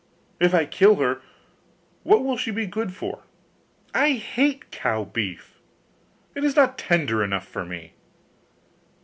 If I kill her, what will she be good for? I hate cow beef; it is not tender enough for me.